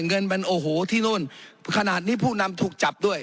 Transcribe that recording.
เงินมันโอ้โหที่นู่นขนาดนี้ผู้นำถูกจับด้วย